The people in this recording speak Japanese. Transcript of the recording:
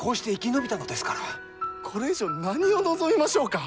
これ以上何を望みましょうか。